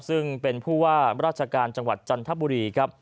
ซึ่งเป็นผู้ว่าราชการจังหวัดจันทบุรีครับ